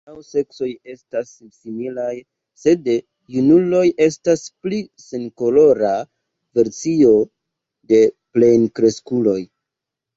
Ambaŭ seksoj estas similaj, sed junuloj estas pli senkolora versio de plenkreskuloj.